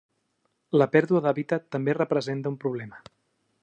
La pèrdua d'hàbitat també representa un problema.